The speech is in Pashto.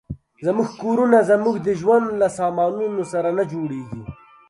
زموږ کورونه زموږ د ژوند له سامانونو سره نه جوړېږي.